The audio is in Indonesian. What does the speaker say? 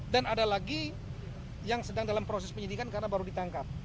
dan ada lagi yang sedang dalam proses penyidikan karena baru ditangkap